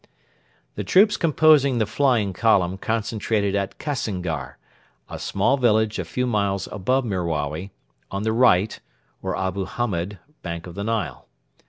The troops composing the 'flying column' concentrated at Kassingar, a small village a few miles above Merawi, on the right (or Abu Hamed) bank of the Nile.